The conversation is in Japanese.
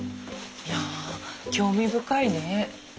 いや興味深いね。